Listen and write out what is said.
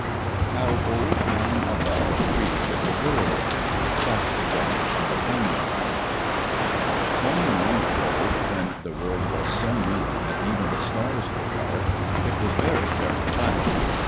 How Old Man Above Created the World Shastika (Cal.) Long, long ago, when the world was so new that even the stars were dark, it was very, very flat.